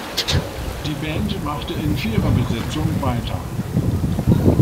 Die Band machte in Vierer-Besetzung weiter.